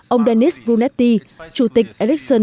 ông dennis brunetti chủ tịch ericsson